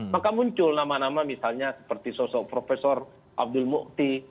maka muncul nama nama misalnya seperti sosok profesor abdul mukti